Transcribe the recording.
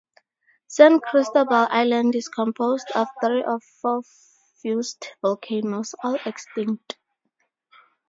San Cristobal Island is composed of three or four fused volcanoes, all extinct.